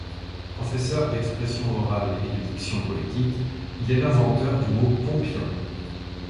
Professeur d'expression orale et de diction poétique, il est l'inventeur du mot pompion.